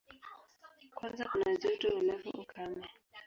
Kwanza kuna joto, halafu ukame.